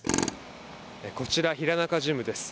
こちら平仲ジムです。